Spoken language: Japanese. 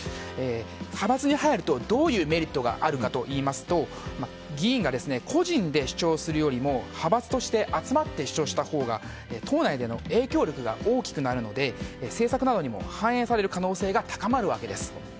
派閥に入るとどういうメリットがあるかといいますと議員が個人で主張するよりも派閥として集まって主張したほうが党内での影響力が大きくなるので政策などにも反映される可能性が高まるわけです。